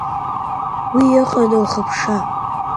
Ус иҟан лхыԥша.